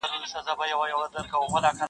د کلي خلک د موټر شاوخوا راټولېږي او ګوري,